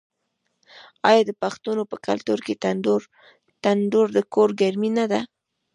آیا د پښتنو په کلتور کې تندور د کور ګرمي نه ده؟